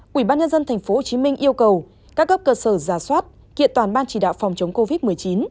quỹ ban nhân dân tp hcm yêu cầu các cấp cơ sở giả soát kiện toàn ban chỉ đạo phòng chống covid một mươi chín